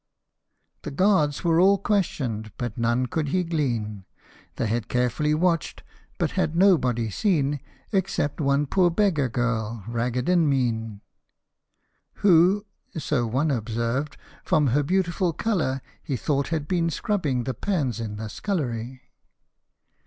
The guards were all questioned, but nought could he glean ; They had carefully watched, but had nobody seen Except one poor beggar girl, ragged and mean. '' Who," so one observed, " from her beautiful colour, he Thought had been scrubbing the pans in the scullery."